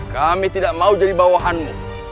kami tidak mau jadi bawahanmu